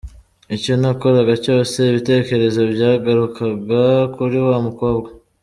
Icyo nakoraga cyose, ibitekerezo byagarukaga kuri wa mukobwa.